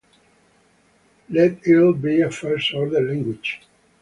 Let "L" be a first-order language.